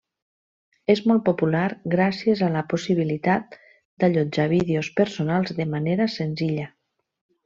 És molt popular gràcies a la possibilitat d'allotjar vídeos personals de manera senzilla.